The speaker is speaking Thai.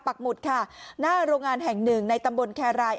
ปักหมุดค่ะณโรงงานแห่ง๑ในตำบนแควก์ไร